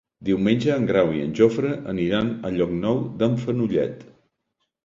Diumenge en Grau i en Jofre aniran a Llocnou d'en Fenollet.